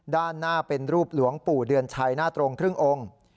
ด้านหน้าเป็นรูปหลวงปู่เดือนชัยหน้าตรงครึ่งองค์